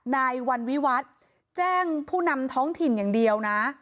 นายวันวิวัฒน์แจ้งผู้นำท้องถิ่นอย่างเดียวนะ